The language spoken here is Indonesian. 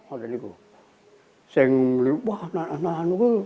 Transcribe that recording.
orang itu wah anak anak itu